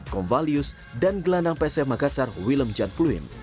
convalius dan gelandang pssi magasar willem jan pluim